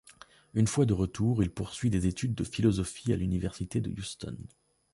Une fois de retour, il poursuit des études de philosophie à l'Université de Houston.